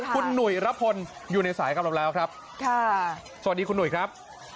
คุณหนุ่ยระพลอยู่ในสายกับเราแล้วครับค่ะสวัสดีคุณหนุ่ยครับ